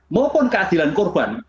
maupun keadilan korban